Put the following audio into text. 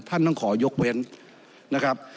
ท่านต้องขอยกเว้นนะครับ